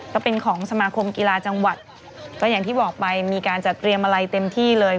ก็เป็นของสมาคมกีฬาจังหวัดก็อย่างที่บอกไปมีการจัดเตรียมอะไรเต็มที่เลย